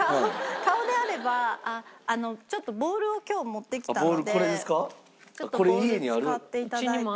顔であればちょっとボールを今日持ってきたのでちょっとボール使っていただいて。